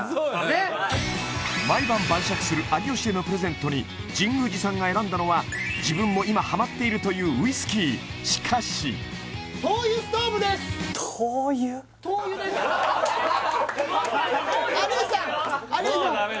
ねっ毎晩晩酌する有吉へのプレゼントに神宮寺さんが選んだのは自分も今ハマっているというウイスキーしかし灯油です有吉さん有吉さん